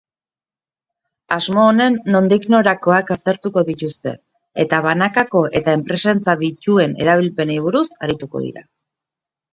Asmo honen nondiknorakoak aztertuko dituzte eta banakako eta enpresentzat dituenerabilpenei buruz arituko dira.